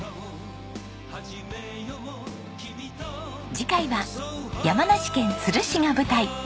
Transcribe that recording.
次回は山梨県都留市が舞台。